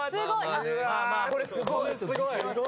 これすごい。